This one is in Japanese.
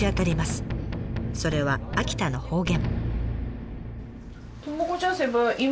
それは秋田の方言。